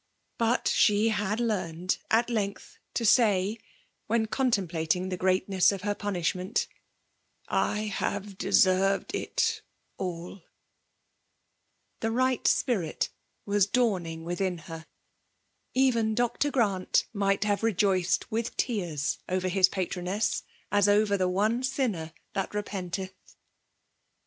But .she had learz^ed at length ^to say, when contemplating the gr^tnq^ of ,her punishment—" I have deseirved it aUI '* ^The right spirit was dawning within her;^ — even Dr. Grant might have rejoiced, with teaxv, over his patroness, as over the one sinner ibskt ^repenteth